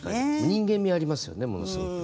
人間味ありますよねものすごく。